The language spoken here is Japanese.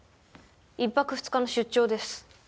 １泊２日の出張です。